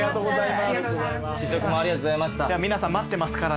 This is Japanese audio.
試食もありがとうございました。